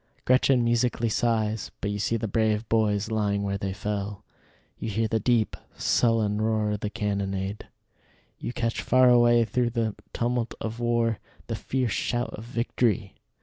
Gretchen musically sighs, but you see the brave boys lying where they fell: you hear the deep, sullen roar of the cannonade; you catch far away through the tumult of war the fierce shout of victory.